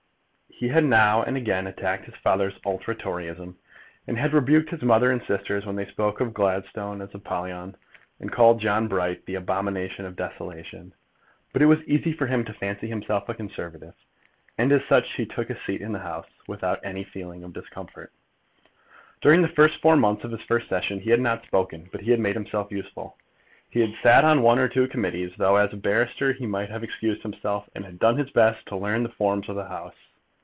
He had now and again attacked his father's ultra Toryism, and rebuked his mother and sisters when they spoke of Gladstone as Apollyon, and called John Bright the Abomination of Desolation. But it was easy to him to fancy himself a Conservative, and as such he took his seat in the House without any feeling of discomfort. During the first four months of his first session he had not spoken, but he had made himself useful. He had sat on one or two Committees, though as a barrister he might have excused himself, and had done his best to learn the forms of the House.